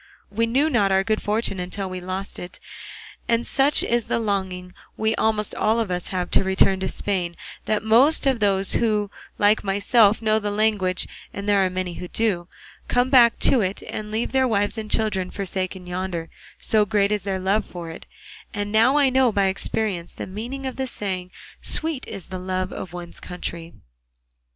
We knew not our good fortune until we lost it; and such is the longing we almost all of us have to return to Spain, that most of those who like myself know the language, and there are many who do, come back to it and leave their wives and children forsaken yonder, so great is their love for it; and now I know by experience the meaning of the saying, sweet is the love of one's country.